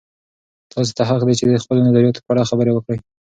تاسې ته حق دی چې د خپلو نظریاتو په اړه خبرې وکړئ.